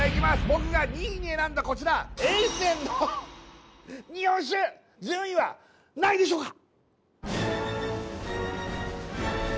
僕が２位に選んだこちら榮川の日本酒順位は何位でしょうか？